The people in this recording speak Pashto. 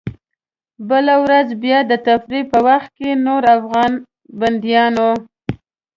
بله ورځ بیا د تفریح په وخت کې نورو افغان بندیانو.